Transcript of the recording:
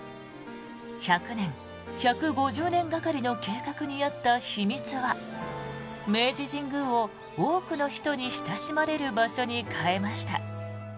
１００年、１５０年がかりの計画にあった秘密は明治神宮を多くの人に親しまれる場所に変えました。